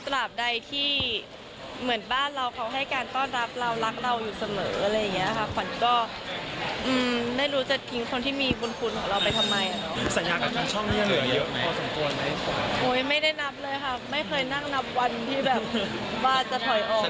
ไม่ได้นับเลยค่ะไม่เคยนักนับวันที่แบบว่าจะถอยออก